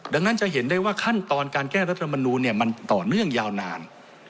ดังนั้นจะเห็นได้ว่าขั้นตอนการแก้รัฐมนูลมันต่อเนื่องยาวนาน